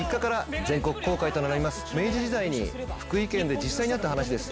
明治時代に福井県で実際にあった話です。